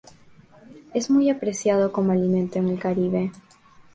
Es muy apreciado como alimento en el Caribe.